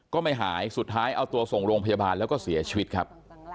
ก็ไม่หายสุดท้ายเอาตัวส่งโรงพยาบาลแล้วก็เสียชีวิตครับ